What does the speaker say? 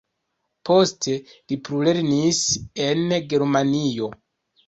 Poste li plulernis en Germanio.